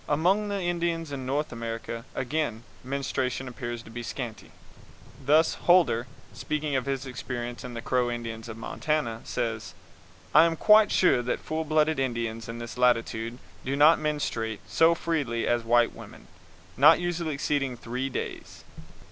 Among the Indians in North America, again, menstruation appears to be scanty. Thus, Holder, speaking of his experience with the Crow Indians of Montana, says: "I am quite sure that full blood Indians in this latitude do not menstruate so freely as white women, not usually exceeding three days."